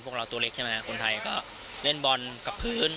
พวกเราตัวเล็กใช่ไหมคนไทยก็เล่นบอลกับพื้น